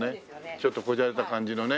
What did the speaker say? ちょっと小じゃれた感じのね。